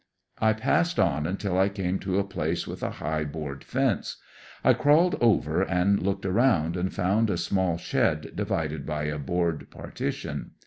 I passed onun til I came to a place with a high board fence. I crawled over and looked around and found a small shed divided by a board partition.